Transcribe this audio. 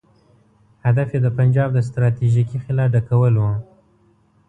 هدف یې د پنجاب د ستراتیژیکې خلا ډکول وو.